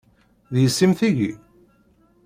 D yessi-m tigi?